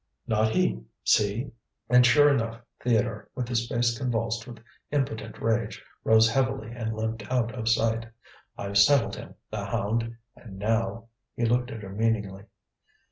"Not he! See!" and sure enough Theodore, with his face convulsed with impotent rage, rose heavily and limped out of sight. "I've settled him, the hound! and now " he looked at her meaningly.